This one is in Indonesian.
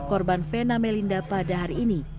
polisi juga telah mempelajarinya